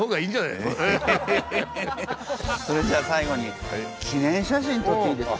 それじゃあ最後に記念写真撮っていいですか？